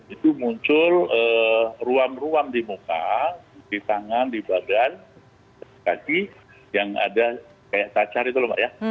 itu muncul ruam ruam di muka di tangan di badan kaki yang ada kayak cacar itu lho mbak ya